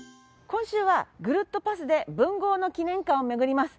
今週はぐるっとパスで文豪の記念館を巡ります。